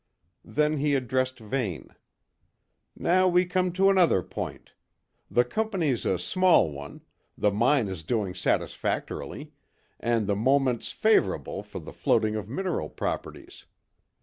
Then he addressed Vane: "Now we come to another point the company's a small one, the mine is doing satisfactorily, and the moment's favourable for the floating of mineral properties.